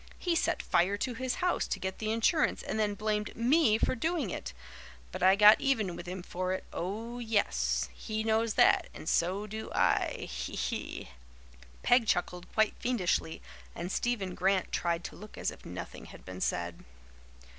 He set fire to his house to get the insurance and then blamed ME for doing it. But I got even with him for it. Oh, yes! He knows that, and so do I! He, he!" Peg chuckled quite fiendishly and Stephen Grant tried to look as if nothing had been said.